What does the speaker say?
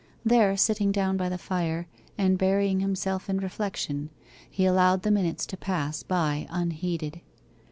There sitting down by the fire, and burying himself in reflection, he allowed the minutes to pass by unheeded.